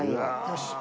よし！